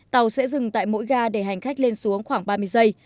tàu sẽ dừng tại mỗi ga để hành khách lên xuống khoảng ba mươi giây